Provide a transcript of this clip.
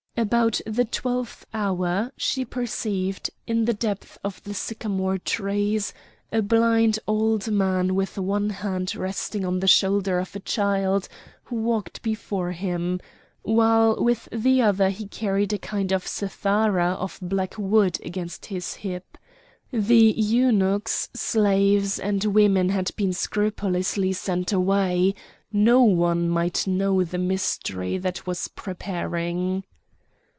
About the twelfth hour she perceived, in the depths of the sycamore trees, a blind old man with one hand resting on the shoulder of a child who walked before him, while with the other he carried a kind of cithara of black wood against his hip. The eunuchs, slaves, and women had been scrupulously sent away; no one might know the mystery that was preparing.